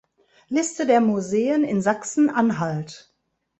Liste der Museen in Sachsen-Anhalt